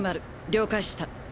了解した！